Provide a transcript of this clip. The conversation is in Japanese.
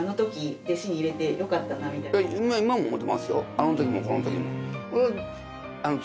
あの時もこの時も。